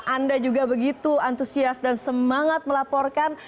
anda juga begitu antusias dan semangat melaporkan